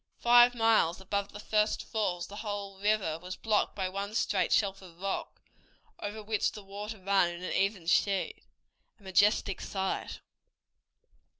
Five miles above the first falls the whole river was blocked by one straight shelf of rock, over which the water ran in an even sheet, a majestic sight.